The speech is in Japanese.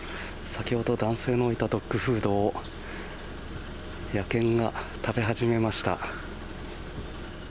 先ほど男性の置いたドッグフードを野犬が食べ始めました。